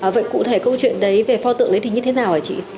vậy cụ thể câu chuyện đấy về pho tượng đấy thì như thế nào hả chị